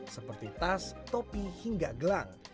seperti tas topi hingga gelang